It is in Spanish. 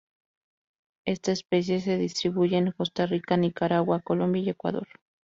Esta especie se distribuye en Costa Rica, Nicaragua, Colombia y Ecuador.